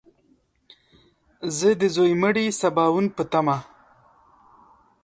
زه د ځوی مړي سباوون په تمه !